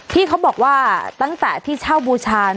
พี่เขาบอกว่าตั้งแต่ที่เช่าบูชา